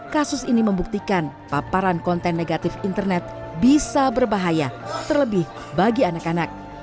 kasus ini membuktikan paparan konten negatif internet bisa berbahaya terlebih bagi anak anak